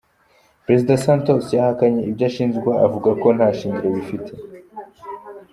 Perezida Santos yahakanye ibyo ashinjwa, avuga ko nta shingiro bifite.